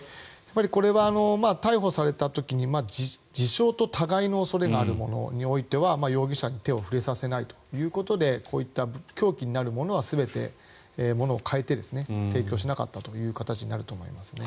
これは逮捕された時に自傷と他害の恐れがあるものにおいては容疑者に手を触れさせないということでこういった凶器になるものは変えて提供しなかったということになると思います。